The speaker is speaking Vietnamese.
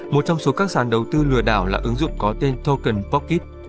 một trong số các sàn đầu tư lừa đảo là ứng dụng có tên token pocket